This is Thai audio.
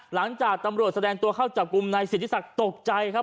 หลังจากตำรวจแสดงตัวเข้าจับกลุ่มนายสิทธิศักดิ์ตกใจครับ